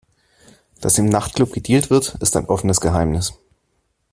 Dass im Nachtclub gedealt wird, ist ein offenes Geheimnis.